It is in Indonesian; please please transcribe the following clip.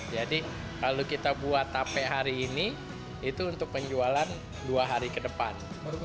kalau kita buat tape hari ini itu untuk penjualan dua hari ke depan